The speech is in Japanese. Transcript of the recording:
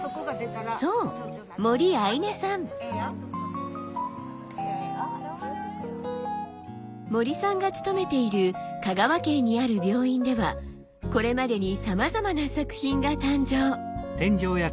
そう森さんが勤めている香川県にある病院ではこれまでにさまざまな作品が誕生。